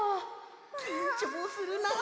きんちょうするなあ。